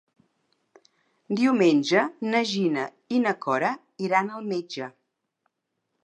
Diumenge na Gina i na Cora iran al metge.